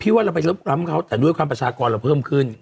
ว่าเราไปลบล้ำเขาแต่ด้วยความประชากรเราเพิ่มขึ้น